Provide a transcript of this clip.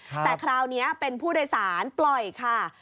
แต่คราวนี้เป็นผู้โดยสารปล่อยค่ะ